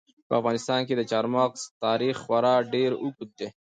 په افغانستان کې د چار مغز تاریخ خورا ډېر اوږد دی.